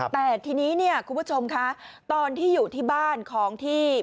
แต่ทีนี้เนี่ยคุณผู้ชมคะตอนที่อยู่ที่บ้านของที่